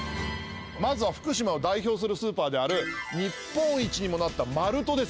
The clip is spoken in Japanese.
まずは福島を代表するスーパーである日本一にもなったマルトです。